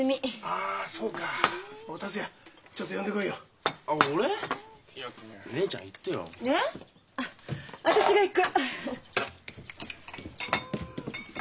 あっ私が行く。